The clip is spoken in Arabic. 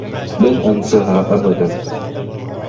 لن أنسها أبدا.